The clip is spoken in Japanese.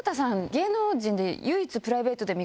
芸能人で。